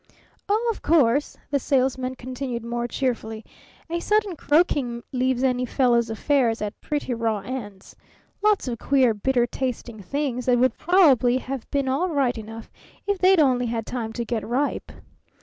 "Oh, of course," the Salesman continued more cheerfully, "a sudden croaking leaves any fellow's affairs at pretty raw ends lots of queer, bitter tasting things that would probably have been all right enough if they'd only had time to get ripe.